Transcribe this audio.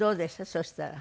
そしたら。